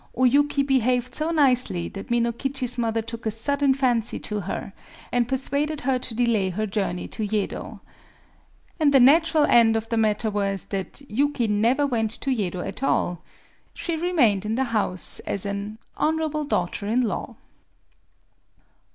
O Yuki behaved so nicely that Minokichi's mother took a sudden fancy to her, and persuaded her to delay her journey to Yedo. And the natural end of the matter was that Yuki never went to Yedo at all. She remained in the house, as an "honorable daughter in law."